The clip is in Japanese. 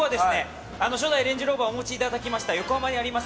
初代レンジローバーをお持ちいただきました、横浜にあります